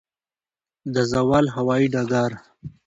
د زاول هوايي ډګر